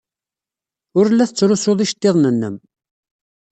Ur la tettlusuḍ iceḍḍiḍen-nnem.